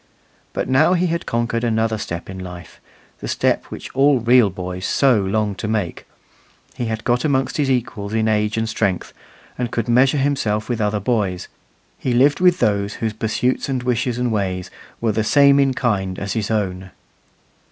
But now he had conquered another step in life the step which all real boys so long to make: he had got amongst his equals in age and strength, and could measure himself with other boys; he lived with those whose pursuits and wishes and ways were the same in kind as his own.